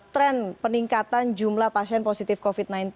tren peningkatan jumlah pasien positif covid sembilan belas